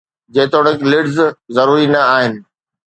جيتوڻيڪ lids ضروري نه آهن